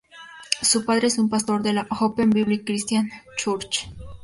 Su padre es un pastor de la Open Bible Christian Church.